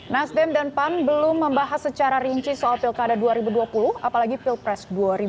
nasdem dan pan belum membahas secara rinci soal pilkada dua ribu dua puluh apalagi pilpres dua ribu dua puluh